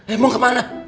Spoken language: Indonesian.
eh mau kemana